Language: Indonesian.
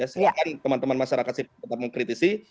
selalu teman teman masyarakat tetap mengkritisi